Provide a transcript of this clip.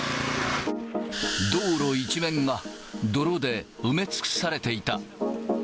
道路一面が泥で埋め尽くされていた。